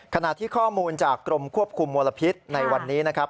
ขณะที่ข้อมูลจากกรมควบคุมมลพิษในวันนี้นะครับ